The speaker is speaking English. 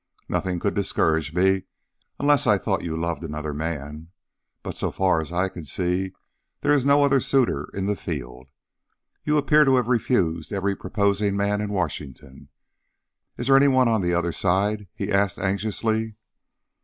Nothing could discourage me unless I thought you loved another man, but so far as I can see there is no other suitor in the field. You appear to have refused every proposing man in Washington. Is there any one on the other side?" he asked anxiously.